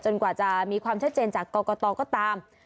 กว่าจะมีความชัดเจนจากกรกตก็ตาม